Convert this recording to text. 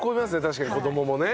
確かに子供もね。